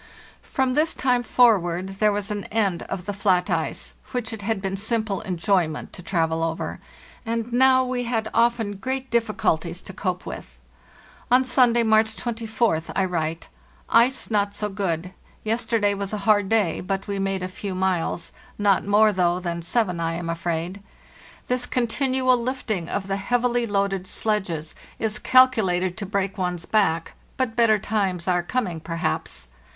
From this time forward there was an end of the flat ice, which it had been simple enjoyment to travel over; and now we had often great difficulties to cope with. On Sunday, March 24th, I write: "Ice not so good; yesterday was a hard day, but we made a few miles—not more, though, than seven, I am afraid. This continual lifting of the heavily loaded sledges is calculated to break one's back; but better times are coming, perhaps.